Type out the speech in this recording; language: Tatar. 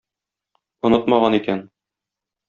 Онытмаган икән.